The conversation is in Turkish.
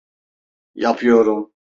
Yapıyorum.